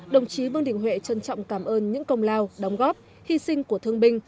đồng chí vương đình huệ trân trọng cảm ơn những công lao đóng góp hy sinh của thương binh